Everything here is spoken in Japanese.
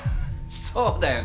そうだよね。